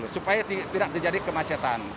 supaya tidak terjadi kemacetan